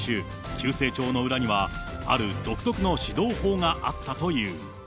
急成長の裏には、ある独特の指導法があったという。